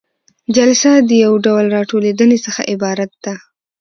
جلسه د یو ډول راټولیدنې څخه عبارت ده.